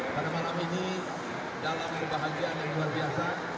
pada malam ini dalam kebahagiaan yang luar biasa